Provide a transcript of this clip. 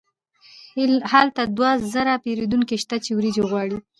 هلته دوه زره پیرودونکي شته چې وریجې غواړي.